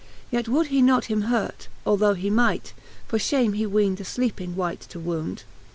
Yet would he not him hurt, although he might; Fof fliame he weend a fleeping wight to wound.